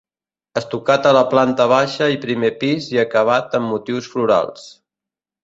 Estucat a la planta baixa i primer pis i acabat amb motius florals.